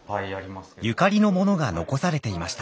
ゆかりのものが残されていました。